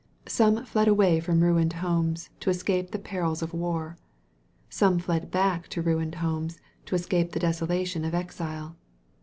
Some fled away from ruined homes to escape the perils of war. Some fled back to ruined homes to escape the desolation of exile.